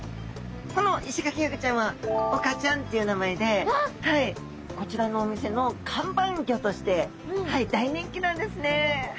このイシガキフグちゃんはオカちゃんっていう名前でこちらのお店の看板魚。